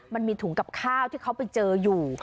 มันมีถุงกับข้าวที่เขาไปเจออยู่